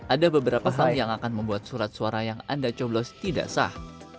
ada beberapa hal yang akan membuat surat suara yang anda coblos tidak sah